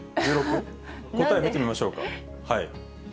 答え見てみましょうか。